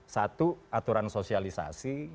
satu aturan sosialisasi